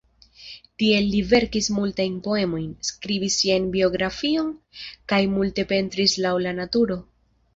Tie li verkis multajn poemojn, skribis sian biografion kaj multe pentris laŭ la naturo.